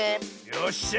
よっしゃ！